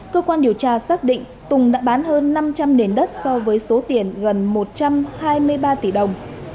cơ quan điều tra xác định tùng đã bán hơn năm trăm linh nền đất so với số tiền gần một trăm hai mươi ba tỷ đồng